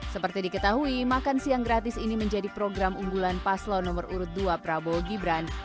seperti diketahui makan siang gratis ini menjadi program unggulan paslo nomor urut dua prabowo gibran